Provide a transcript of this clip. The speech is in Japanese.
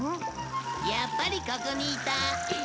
やっぱりここにいた。